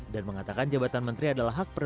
dan mengatakan jabatan menteri adalah hak prerogatif